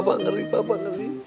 bapak ngeri bapak ngeri